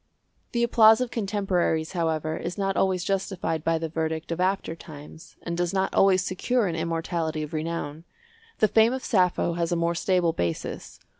The applause of contemporaries, however, is not always justified by the verdict of after times, and does not always secure an immortality of renown. The fame of Sappho has a more stable basis.